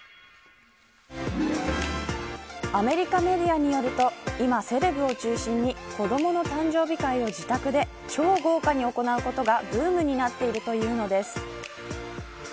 アメリカメディアによると今、セレブを中心に子どもの誕生日会を自宅で超豪華に行うことがブームになっているというのです。